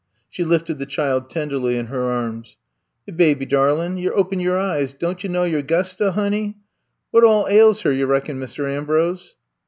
She lifted the child tenderly in her arms. Yere baby darlin', yere open yur eyes. Don' you know your 'Gusta, honey! Wot all ails her, you reckon, Mist' Ambrose!"